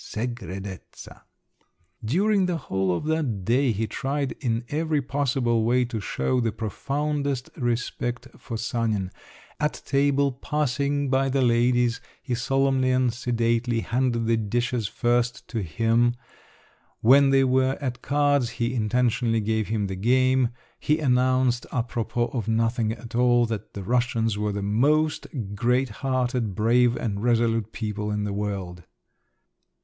segredezza!_ During the whole of that day he tried in every possible way to show the profoundest respect for Sanin; at table, passing by the ladies, he solemnly and sedately handed the dishes first to him; when they were at cards he intentionally gave him the game; he announced, apropos of nothing at all, that the Russians were the most great hearted, brave, and resolute people in the world!